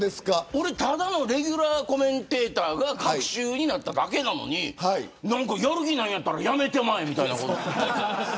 ただのレギュラーコメンテーターが隔週になっただけなのにやる気ないんやったらやめてまえみたいなこと。